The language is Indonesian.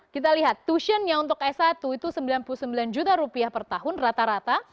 kita lihat tusionnya untuk s satu itu sembilan puluh sembilan juta rupiah per tahun rata rata